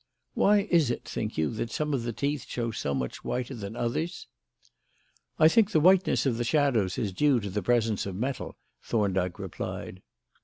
"Why is it, think you, that some of the teeth show so much whiter than others?" "I think the whiteness of the shadows is due to the presence of metal," Thorndyke replied.